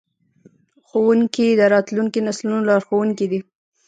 ښوونکي د راتلونکو نسلونو لارښوونکي دي.